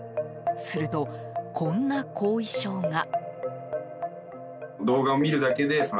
すると、こんな後遺症が。